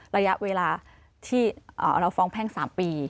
ระยะเวลาที่เราฟ้องแพ่ง๓ปี